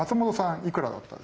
いくらだったですか？